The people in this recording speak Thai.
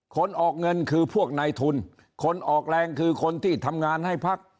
ออกเงินคือพวกนายทุนคนออกแรงคือคนที่ทำงานให้พัก